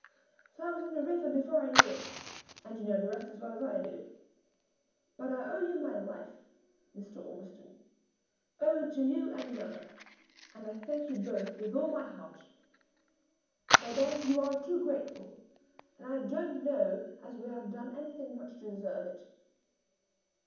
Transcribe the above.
So I was in the river before I knew it and you know the rest as well as I do. But I owe you my life, Mr. Ormiston owe it to you and another; and I thank you both with all my heart." "Madame, you are too grateful; and I don't know as we have done anything much to deserve it."